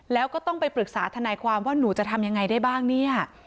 แล้วก็ต้องไปปรึกษาทนายความว่าหนูจะทำยังไงได้บ้างเนี่ย